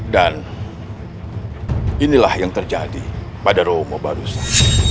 dan inilah yang terjadi pada romo barusan